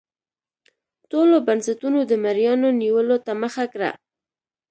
ټولو بنسټونو د مریانو نیولو ته مخه کړه.